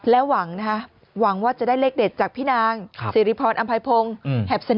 และหวังว่าจะได้เลขเด็ดจากพี่นางสิริพรอัมพัยพงศ์แหบเสน่